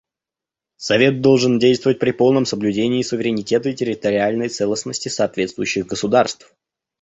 Совет должен действовать при полном соблюдении суверенитета и территориальной целостности соответствующих государств.